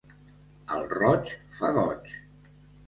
El roig fa goig.